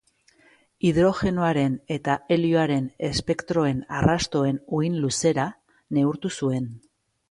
Hidrogenoaren eta helioaren espektroen arrastoen uhin-luzera neurtu zuen.